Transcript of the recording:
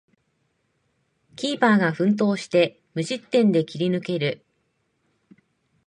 キーパーが奮闘して無失点で切り抜ける